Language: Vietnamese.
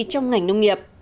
trong ngành nông nghiệp